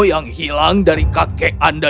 yang hilang dari kakek anda